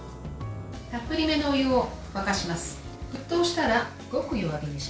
たっぷりめのお湯を沸かします。